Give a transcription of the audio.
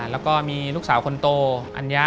แล้วก็มีลูกสาวคนโตอัญญา